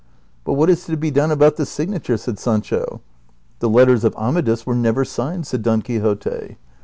" But what is to be done aliout the signature ?" said Sancho. " The letters of Amadis were never signed," said Don Quixote.